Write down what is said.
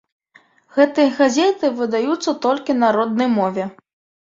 Гэтыя газеты выдаюцца толькі на роднай мове.